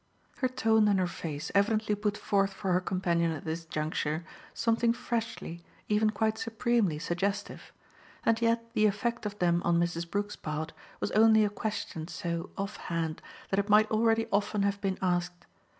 Her tone and her face evidently put forth for her companion at this juncture something freshly, even quite supremely suggestive; and yet the effect of them on Mrs. Brook's part was only a question so off hand that it might already often have been asked.